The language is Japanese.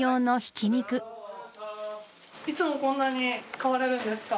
いつもこんなに買われるんですか？